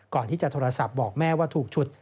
ก่อนที่จะโทรศัพท์บอกแม่ว่าถูกฉุด